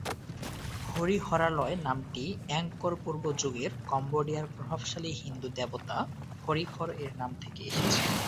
হরিহরালয় নামটি এঙ্কর-পূর্ব যুগের কম্বোডিয়ার প্রভাবশালী হিন্দু দেবতা হরিহর এর নাম থেকে এসেছে।